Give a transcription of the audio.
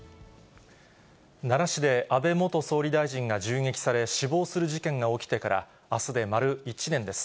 奈良市で安倍元総理大臣が銃撃され死亡する事件が起きてからあすで丸１年です。